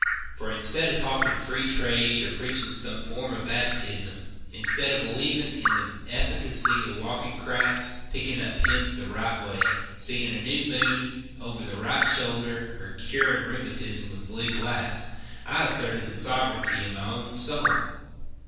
For instead of talking free trade, Or preaching some form of baptism; Instead of believing in the efficacy Of walking cracks, picking up pins the right way, Seeing the new moon over the right shoulder, Or curing rheumatism with blue glass, I asserted the sovereignty of my own soul.